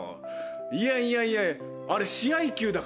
いやいやいやあれ試合球だから。